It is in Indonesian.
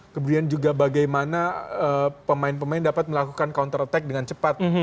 kemudian juga bagaimana pemain pemain dapat melakukan counter attack dengan cepat